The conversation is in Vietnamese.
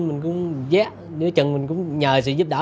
mình cũng dẹp nếu chẳng mình cũng nhờ sự giúp đỡ